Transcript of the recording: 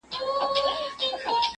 کوڅو اخیستي دي ماشوم زخمونه٫